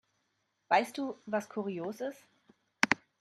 Weißt du, was kurios ist?